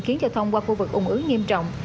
khiến cho thông qua khu vực ủng ứng nghiêm trọng